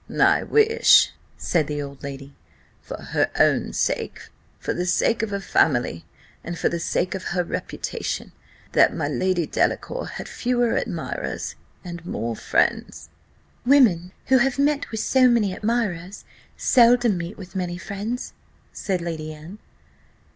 "I wish," said the old lady, "for her own sake, for the sake of her family, and for the sake of her reputation, that my Lady Delacour had fewer admirers, and more friends." "Women who have met with so many admirers, seldom meet with many friends," said Lady Anne.